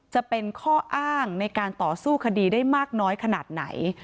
จะเป็นข้ออ้างในการต่อสู้คดีได้มากน้อยขนาดไหน